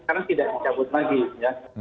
karena tidak dicabut lagi ya